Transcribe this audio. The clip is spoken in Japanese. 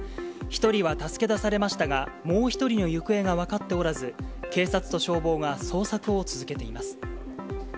１人は助け出されましたが、もう１人の行方が分かっておらず、警察と消防が捜索を続けています。